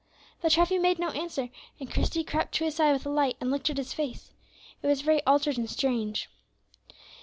But Treffy made no answer, and Christie crept to his side with a light, and looked at his face. It was very altered and strange.